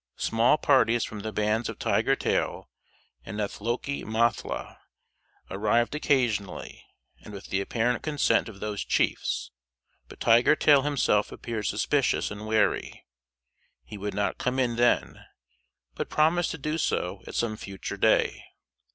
Small parties from the bands of Tiger tail and Nethloke Mathla arrived occasionally, and with the apparent consent of those chiefs; but Tiger tail himself appeared suspicious and wary. He would not come in then, but promised to do so at some future day.